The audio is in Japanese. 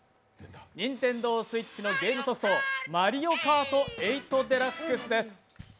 ＮｉｎｔｅｎｄｏＳｗｉｔｃｈのゲームソフト「マリオカート８デラックス」です。